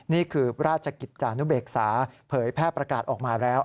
นี่คือราชกิจจานุเบกษาเผยแพร่ประกาศออกมาแล้ว